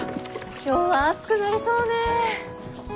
今日は暑くなりそうね。